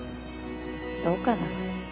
どうかな。